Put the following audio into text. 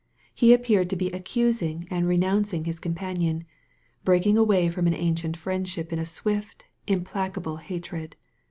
He appeared to be accusing and renouncing his companion, breaking away from an ancient friendship in a swift, im placable hatred.